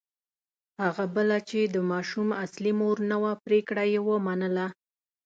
هغه بله چې د ماشوم اصلي مور نه وه پرېکړه یې ومنله.